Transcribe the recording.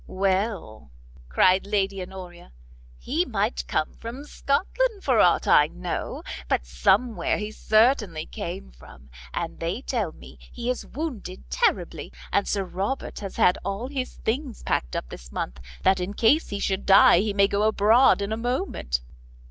"Well," cried Lady Honoria, "he might come from Scotland, for aught I know, but somewhere he certainly came from; and they tell me he is wounded terribly, and Sir Robert has had all his things packed up this month, that in case he should die, he may go abroad in a moment."